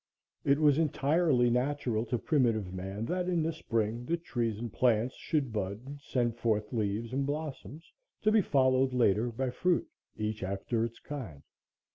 It was entirely natural to primitive man that in the spring the trees and plants should bud and send forth leaves and blossoms, to be followed later by fruit, "each after its kind."